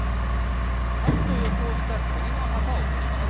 勝つと予想した国の旗をとります。